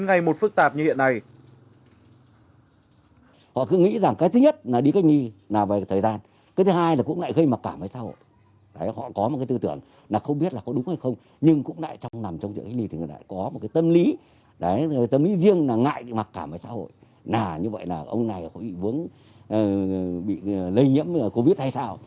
ngại mặc cảm với xã hội nà như vậy là ông này có bị vướng bị lây nhiễm covid hay sao